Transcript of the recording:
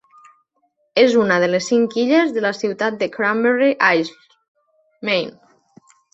És una de les cinc illes de la ciutat de Cranberry Isles, Maine.